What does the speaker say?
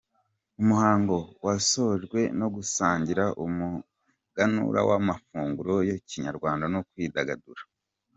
Umuhango wasojwe no gusangira umuganura w’ amafunguro ya Kinyarwanda no kwidagadura.